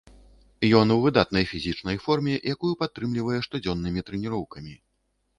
Ён у выдатнай фізічнай форме, якую падтрымлівае штодзённымі трэніроўкамі.